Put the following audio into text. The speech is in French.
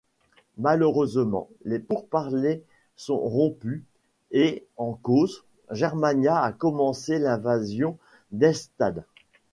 Malheureusement, les pourparlers sont rompus et en cause, Germania a commencé l'invasion d'Eylstadt.